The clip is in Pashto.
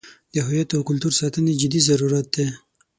د هویت او کلتور ساتنې جدي ضرورت دی.